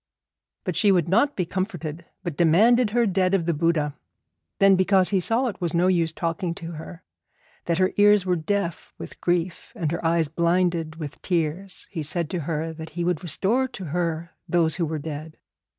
But she would not be comforted, but demanded her dead of the Buddha. Then, because he saw it was no use talking to her, that her ears were deaf with grief, and her eyes blinded with tears, he said to her that he would restore to her those who were dead.